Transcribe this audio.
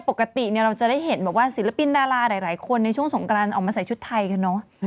ปกติเราจะได้เห็นแบบว่าศิลปินดาราหลายคนในช่วงสงกรานออกมาใส่ชุดไทยกันเนอะ